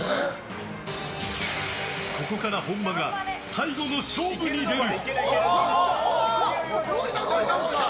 ここから本間が最後の勝負に出る。